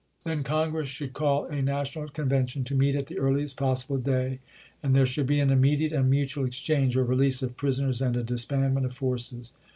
Then Congress should call a Na tional Convention, to meet at the earliest possible day. And there should be an immediate and mutual exchange or release of prisoners and a disbandment of forces.